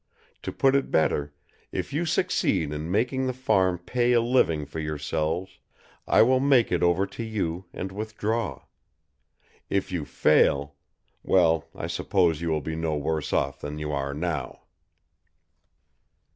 To put it better, if you succeed in making the farm pay a living for yourselves, I will make it over to you and withdraw. If you fail well, I suppose you will be no worse off than you are now!"